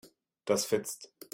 Das fetzt.